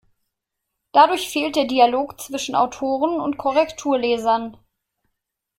Dadurch fehlt der Dialog zwischen Autoren und Korrekturlesern.